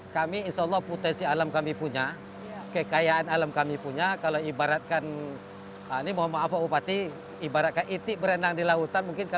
kami insya allah potensi alam kami punya kekayaan alam kami punya kalau ibaratkan ini mohon maaf pak bupati ibaratnya itik berenang di lautan